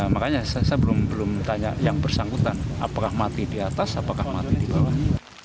makanya saya belum tanya yang bersangkutan apakah mati di atas apakah mati di bawah